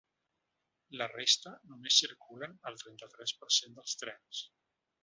La resta només circulen el trenta-tres per cent dels trens.